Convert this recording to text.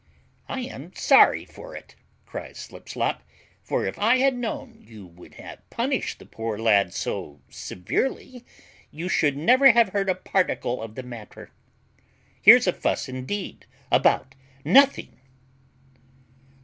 "I am sorry for it," cries Slipslop, "and, if I had known you would have punished the poor lad so severely, you should never have heard a particle of the matter. Here's a fuss indeed about nothing!"